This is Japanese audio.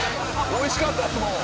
おいしかったですもん。